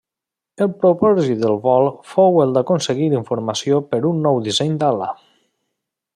El propòsit del vol fou el d'aconseguir informació per un nou disseny d'ala.